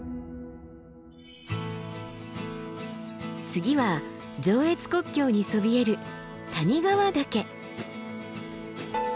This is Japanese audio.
次は上越国境にそびえる谷川岳。